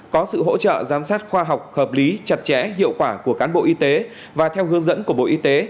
có sự hỗ trợ giám sát khoa học hợp lý chặt chẽ hiệu quả của cán bộ y tế và theo hướng dẫn của bộ y tế